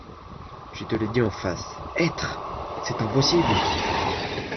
Je te le dis en face, Être ! c’est impossible !